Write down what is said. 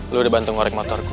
lo udah bantu ngorek motor gue